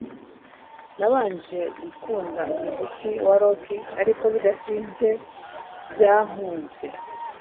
Nabanje gukunda umuziki wa rock ariko bidatinze byankuze